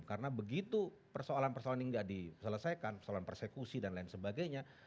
karena begitu persoalan persoalan ini tidak diselesaikan persoalan persekusi dan lain sebagainya